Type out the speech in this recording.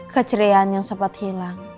keceriaan yang sempat hilang